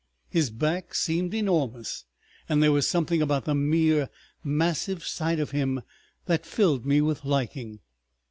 His back seemed enormous. And there was something about the mere massive sight of him that filled me with liking.